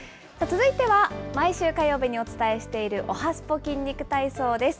続いては毎週火曜日にお伝えしている、おはＳＰＯ筋肉体操です。